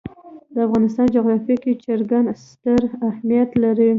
د افغانستان جغرافیه کې چرګان ستر اهمیت لري.